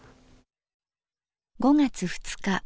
５月２日